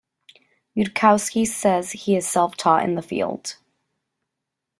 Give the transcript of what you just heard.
Yudkowsky says he is self-taught in the field.